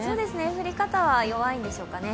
降り方は弱いんでしょうか。